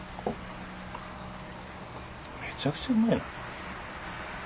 めちゃくちゃうまいな。